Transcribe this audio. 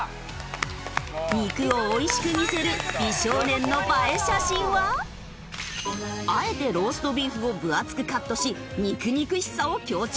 肉を美味しく見せるあえてローストビーフを分厚くカットし肉々しさを強調。